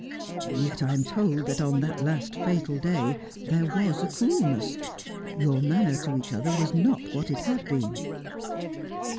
' Yet I am told that on that last fatal day there was a cool ness ; your manner to each other was not what it had been.'